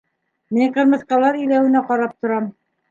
Мин ҡырмыҫҡалар иләүенә ҡарап торам.